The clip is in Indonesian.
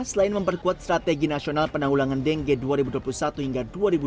selain memperkuat strategi nasional penanggulangan dengge dua ribu dua puluh satu hingga dua ribu dua puluh